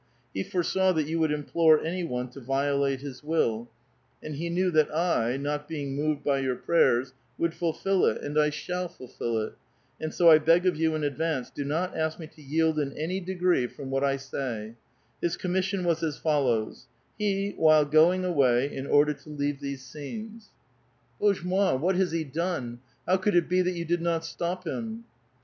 He foresaw that you would implore any one to violate his will, and he knew that I, not being moved by your prayers, would fulfil it, and I shall fulfil it ; and so I beg of you in advance, do not ask me to yield in any degree from what I say. His commission was as follows : he, while going away, in order to ' leave these scenes 1 —'"* Perbapa better traosliiled, tu leave the etage. A VITAL QUESTION, 295 " BosSvB moil what has he done? How could it be that you did not stop him